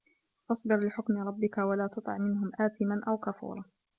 فَاصبِر لِحُكمِ رَبِّكَ وَلا تُطِع مِنهُم آثِمًا أَو كَفورًا